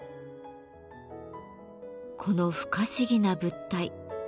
この不可思議な物体。